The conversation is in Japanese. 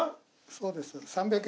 そうです。